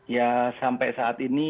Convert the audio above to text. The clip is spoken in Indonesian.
ya sampai saat ini